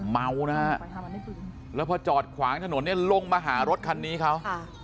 เมานะฮะแล้วพอจอดขวางถนนเนี่ยลงมาหารถคันนี้เขา